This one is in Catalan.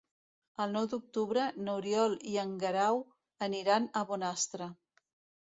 El nou d'octubre n'Oriol i en Guerau aniran a Bonastre.